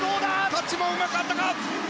タッチもうまく合ったか！